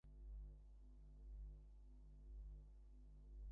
আফসার সাহেব তৃষ্ণার্তের মতো পানি পান করলেন।